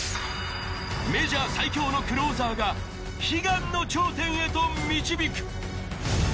メジャー最強のクローザーが悲願の頂点へと導く。